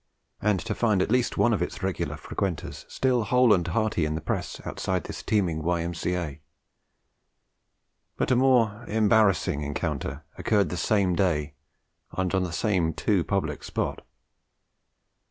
and to find at least one of its regular frequenters still whole and hearty, in the press outside this teeming Y.M.C.A. But a more embarrassing encounter occurred the same day and on the same too public spot.